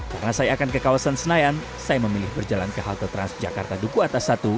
karena saya akan ke kawasan senayan saya memilih berjalan ke halte transjakarta duku atas satu